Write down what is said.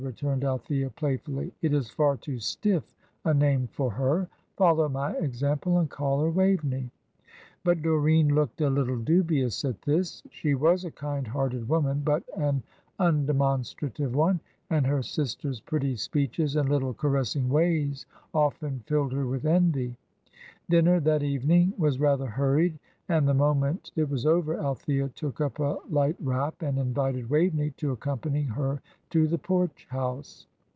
returned Althea, playfully. "It is far too stiff a name for her. Follow my example and call her Waveney." But Doreen looked a little dubious at this. She was a kind hearted woman, but an undemonstrative one, and her sister's pretty speeches and little caressing ways often filled her with envy. Dinner that evening was rather hurried, and the moment it was over Althea took up a light wrap and invited Waveney to accompany her to the Porch House.